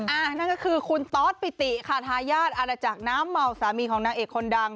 นั่นก็คือคุณตอสปิติค่ะทายาทอาณาจักรน้ำเมาสามีของนางเอกคนดัง